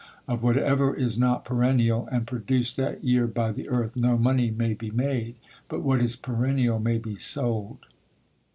Of whatever is not perennial, and produced that year by the earth, no money may be made; but what is perennial may be sold.